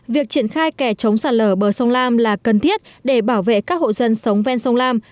việc triển khai kè chống sạt lở bờ sông lam là cần thiết để bảo vệ các hộ dân sống ven sông lam